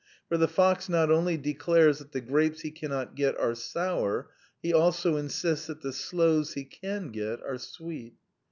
For the fox not only declares that the grapes he cannot get are sour : he also insists that the sloes he can get are sweet.